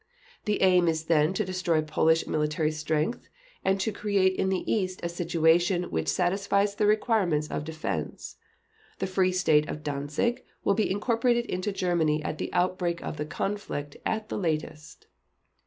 The aim is then to destroy Polish military strength, and to create in the East a situation which satisfies the requirements of defense. The Free State of Danzig will be incorporated into Germany at the outbreak of the conflict at the latest.